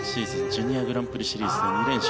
ジュニアグランプリシリーズ２連勝